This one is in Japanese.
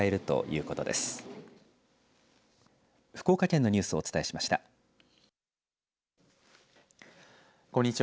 こんにちは。